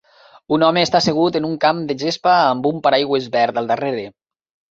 Un home està assegut en un camp de gespa amb un paraigües verd al darrere.